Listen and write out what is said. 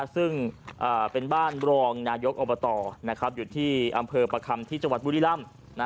ซึ่งเป็นบ้านรองนายกอบตอยู่ที่อำเภอประคำที่จังหวัดบุรีรำ